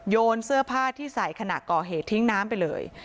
โยนเสื้อผ้าที่ใส่ขณะก่อเหตุทิ้งน้ำไปเลย